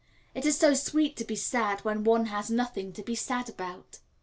It is so sweet to be sad when one has nothing to be sad about.